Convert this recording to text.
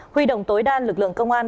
huy động tối đan lực lượng công an